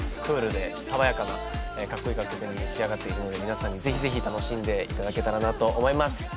クールでさわやかなかっこいい楽曲に仕上がっているので皆さんにぜひぜひ楽しんでいただけたらなと思います